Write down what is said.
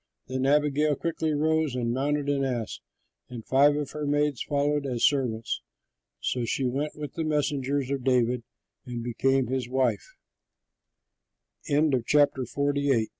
Then Abigail quickly rose and mounted an ass; and five of her maids followed as servants. So she went with the messengers of David, and became his wife. MAKING THE BEST OF TROUBLE